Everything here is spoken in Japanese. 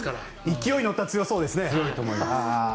勢いに乗ったら強そうですね。